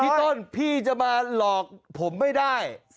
ต้นพี่จะมาหลอกผมไม่ได้